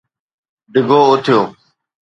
ڊگھو اٿيو